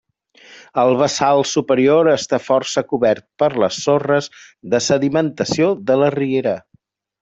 El bassal superior està força cobert per les sorres de sedimentació de la riera.